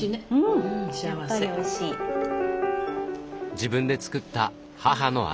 自分で作った母の味。